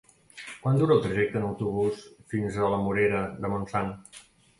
Quant dura el trajecte en autobús fins a la Morera de Montsant?